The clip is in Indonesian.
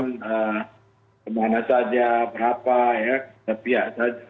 saya tidak bisa mengetahkan kemana saja berapa ya ke pihak saja